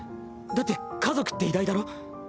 だって家族って偉大だろ。